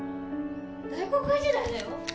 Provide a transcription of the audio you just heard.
大航海時代だよ？